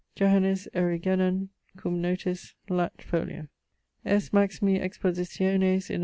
Johannes Eriugenan, cum notis: Lat., fol. S. Maximi expositiones in S.